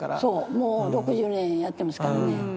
もう６０年やってますからね。